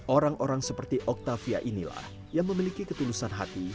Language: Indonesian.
orang orang seperti octavia inilah yang memiliki ketulusan hati